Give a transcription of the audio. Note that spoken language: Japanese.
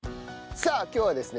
さあ今日はですね